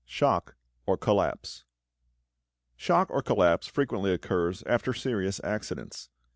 Shock or Collapse Shock or collapse frequently occurs after serious accidents.